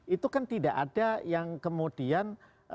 itu kan tidak ada yang kemudian